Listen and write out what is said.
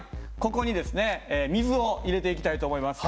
ここにですね水を入れていきたいと思います。